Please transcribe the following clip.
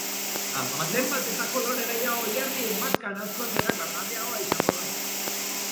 Zenbat eta kolore gehiago jarri, maskara askoz erakargarriagoa izango da.